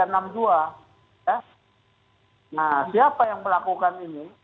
nah siapa yang melakukan ini